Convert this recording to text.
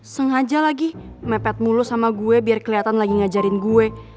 sengaja lagi mepet mulu sama gue biar kelihatan lagi ngajarin gue